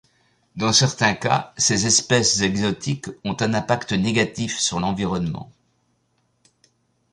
Dans certains cas, ces espèces exotiques ont un impact négatif sur l’environnement.